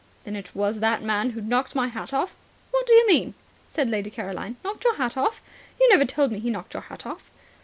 "Then it was that man who knocked my hat off?" "What do you mean?" said Lady Caroline. "Knocked your hat off? You never told me he knocked your hat off."